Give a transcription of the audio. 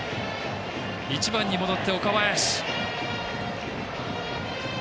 １番に戻って岡林。